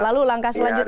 lalu langkah selanjutnya